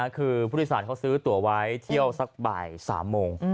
คือผู้โดยสารเขาซื้อตัวไว้เที่ยวสักบ่าย๓โมง